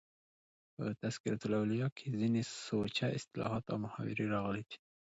په "تذکرة الاولیاء" کښي ځيني سوچه اصطلاحات او محاورې راغلي دي.